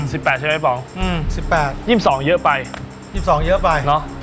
สิบแปดใช่ไหมป๋องอืมสิบแปดยิ่มสองเยอะไปยิ่มสองเยอะไปเนาะ